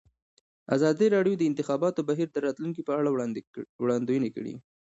ازادي راډیو د د انتخاباتو بهیر د راتلونکې په اړه وړاندوینې کړې.